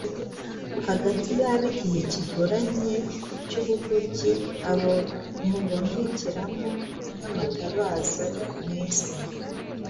hagati y’ab’igihe kigoramye cy’ubugoryi, abo mubonekeramo nk’amatabaza mu isi,